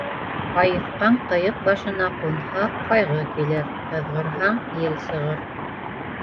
Һайыҫҡан ҡыйыҡ башына ҡунһа, ҡайғы килер, һыҙғырһаң, ел сығыр.